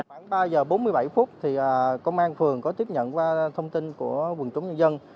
khoảng ba giờ bốn mươi bảy phút thì công an phường có tiếp nhận qua thông tin của quần chúng nhân dân